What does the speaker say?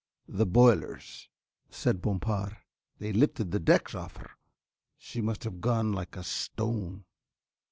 "The boilers," said Bompard, "they lifted the decks off her. She must have gone like a stone."